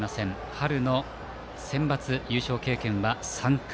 春のセンバツの優勝経験は３回。